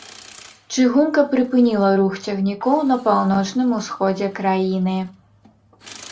Чыгунка прыпыніла рух цягнікоў на паўночным усходзе краіны.